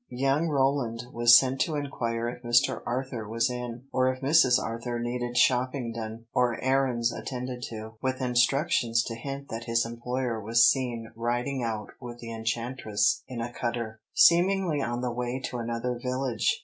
Young Roland was sent to inquire if Mr. Arthur was in, or if Mrs. Arthur needed shopping done, or errands attended to, with instructions to hint that his employer was seen riding out with the enchantress in a cutter, seemingly on the way to another village.